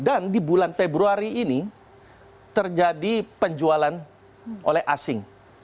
dan di bulan februari ini terjadi penjualan oleh asing